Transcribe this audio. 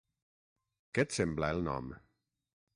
Què et sembla, el nom?